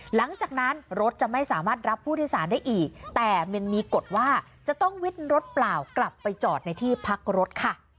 หลังจากนั้นรถจะไม่สามารถรับผู้โดยสารได้อีกแต่มันมีกฎว่าจะต้องวิทย์รถเปล่ากลับไปจอดในที่พักรถค่ะ